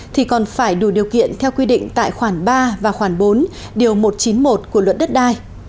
thì còn phải đủ điều kiện theo quy định tại khoản ba và khoản bốn điều một trăm chín mươi một của luật đất đai